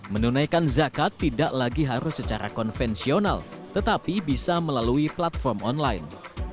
menunaikan zakat tidak lagi harus secara konvensional tetapi bisa melalui platform online